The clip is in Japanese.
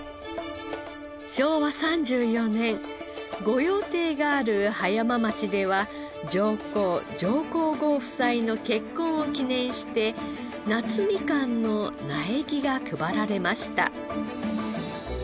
昭和３４年御用邸がある葉山町では上皇・上皇后夫妻の結婚を記念して夏みかんの苗木が配られました。